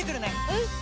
うん！